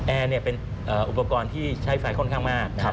แอร์เป็นอุปกรณ์ที่ใช้ไฟค่อนข้างมาก